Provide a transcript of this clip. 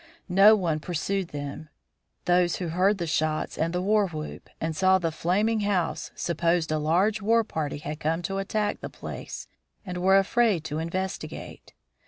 No one pursued them; those who heard the shots and the war whoop, and saw the flaming house supposed a large war party had come to attack the place, and were afraid to investigate.